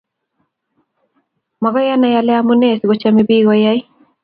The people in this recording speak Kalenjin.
Makoy anai ale amune sikochome pik koyaai